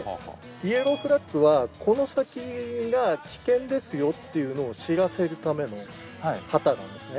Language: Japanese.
イエローフラッグはこの先が危険ですよっていうのを知らせるための旗なんですね。